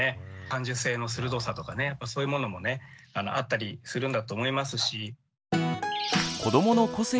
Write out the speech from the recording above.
感受性の鋭さとかそういうものもねあったりするんだと思いますし。